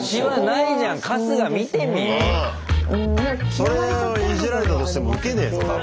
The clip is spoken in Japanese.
それをイジられたとしてもウケねえぞ多分。